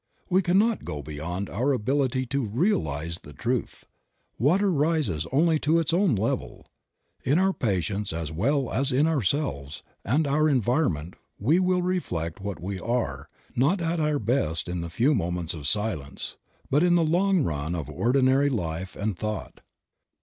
We cannot go beyond our ability to realize the truth ; water rises only to its own level. In our patients as well as in ourselves and our environment we will reflect what we are, not at our best in the few moments of silence, but in the long run of ordinary life and thought.